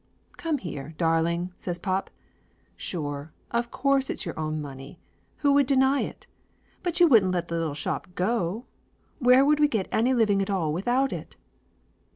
"Come here, darling!" says pop. "Sure; of course it's your own money ! Who would deny it ? But you wouldn't let the little shop go? Where would we get any living at all without it?"